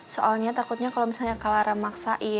soalnya takutnya kalo misalnya clara maksain